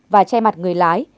và che mặt người lái